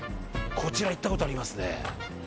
こちら、行ったことありますね。